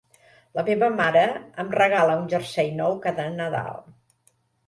La meva mare em regala un jersei nou cada nadal